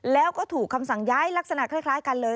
แล้วก็ถูกคำสั่งย้ายลักษณะคล้ายกันเลย